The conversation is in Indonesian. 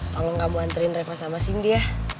tolong kamu anterin reva sama sindi ya